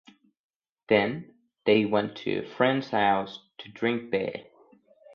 Then, they went to a friend's house to drink beer.